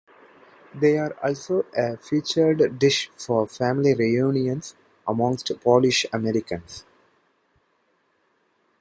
They are also a featured dish for family reunions amongst Polish Americans.